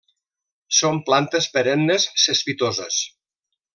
Són plantes perennes, cespitoses.